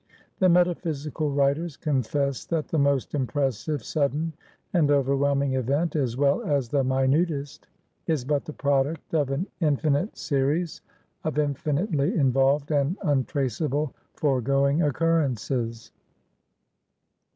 The metaphysical writers confess, that the most impressive, sudden, and overwhelming event, as well as the minutest, is but the product of an infinite series of infinitely involved and untraceable foregoing occurrences.